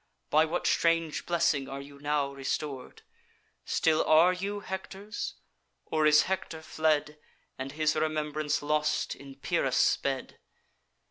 By what strange blessing are you now restor'd? Still are you Hector's? or is Hector fled, And his remembrance lost in Pyrrhus' bed?